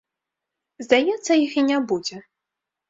Здаецца, іх і не будзе.